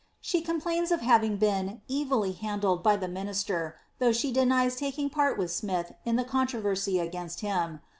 She eomplains of having been ^ evilly handled'' by the minister, though she denies taking part with Smith in the controversy against him.